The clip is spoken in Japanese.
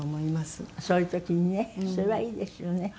そういう時にねそれはいいですよね。